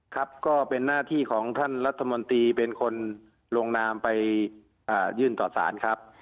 ครับก็เป็นหน้าที่ของท่านรัฐมนตรีเป็นคนลงนามไปยื่นต่อสารครับ